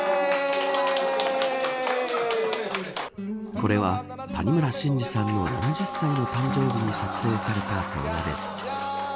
これは、谷村新司さんの７０歳の誕生日に撮影されたものです。